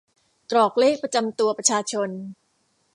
กรอกเลขประจำตัวประชาชน